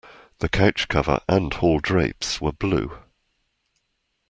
The couch cover and hall drapes were blue.